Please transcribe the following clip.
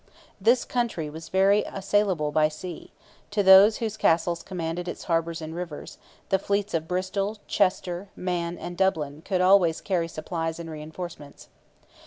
This country was very assailable by sea; to those whose castles commanded its harbours and rivers, the fleets of Bristol, Chester, Man, and Dublin could always carry supplies and reinforcements.